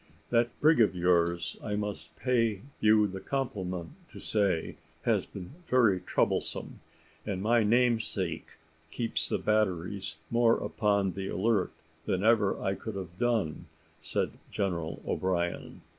"That brig of yours, I must pay you the compliment to say, has been very troublesome; and my namesake keeps the batteries more upon the alert than ever I could have done," said General O'Brien.